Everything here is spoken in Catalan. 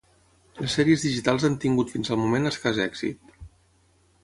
Les sèries digitals han tingut fins al moment escàs èxit.